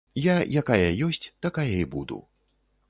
Я якая ёсць, такая і буду.